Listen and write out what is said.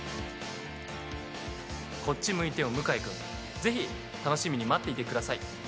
こっち向いてよ向井くん、ぜひ楽しみに待っていてください。